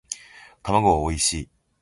卵はおいしい